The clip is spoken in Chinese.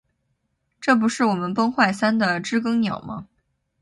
这不是我们崩坏三的知更鸟吗